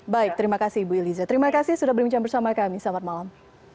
baik terima kasih ibu iliza terima kasih sudah berbincang bersama kami selamat malam